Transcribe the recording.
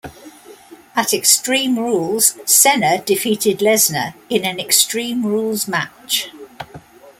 At Extreme Rules, Cena defeated Lesnar in an Extreme Rules match.